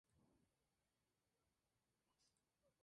Se encuentra en Bulgaria, Grecia y Turquía.